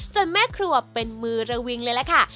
แม่ครัวเป็นมือระวิงเลยล่ะค่ะ